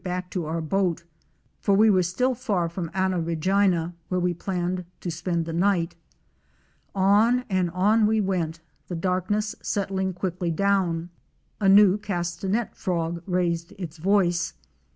back to our boat, for we were still far from Anna Regina, where we planned to spend the night. On and on we went, the darkness settling quickly down. A new Castanet Frog raised its voice.